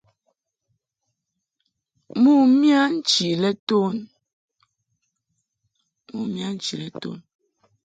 Mo miya nchi lɛ ton.